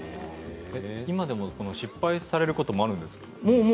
今でも失敗されることもあるんですか。